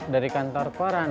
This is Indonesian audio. dari kantor koran